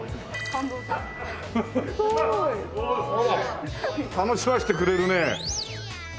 すごい。楽しませてくれるね。